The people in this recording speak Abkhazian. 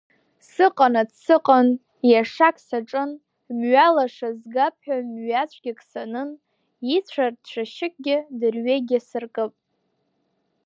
Сыҟанаҵ сыҟан, иашак саҿын, мҩалаша згап ҳәа мҩацәгьак санын, ицәар цәашьыкгьы, дырҩегь иасыркып.